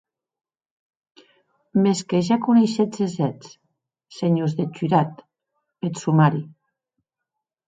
Mès que ja coneishetz es hèts, senhors deth jurat, peth somari.